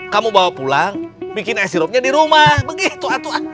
kamu bawa pulang bikin es sirupnya di rumah begitu atuan